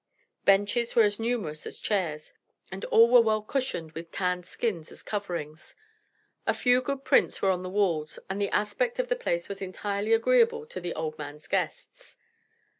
Benches were as numerous as chairs, and all were well cushioned with tanned skins as coverings. A few good prints were on the walls and the aspect of the place was entirely agreeable to the old man's guests.